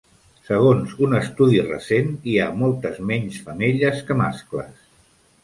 Segons un estudi recent, hi ha moltes menys femelles que mascles.